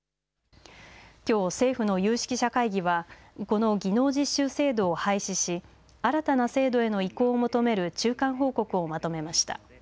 きょう政府の有識者会議はこの技能実習制度を廃止し新たな制度への移行を求める中間報告をまとめました。